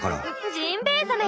ジンベエザメよ。